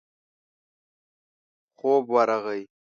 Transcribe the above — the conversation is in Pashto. خوب ورغی.